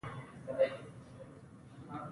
میزوفیلیک بکټریاوې تر څلوېښت درجو پورې نمو کوي.